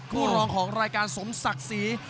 รองของรายการสมศักดิ์ศรี